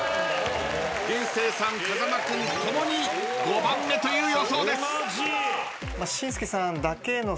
竜星さん風間君共に５番目という予想です。